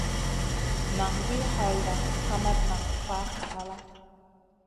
Naŋ wi halda, kamat nan faʼ halla.